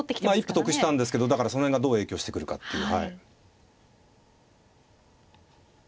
一歩得したんですけどだからその辺がどう影響してくるかっていう。